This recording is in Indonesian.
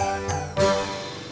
tunggu bentar ya kakak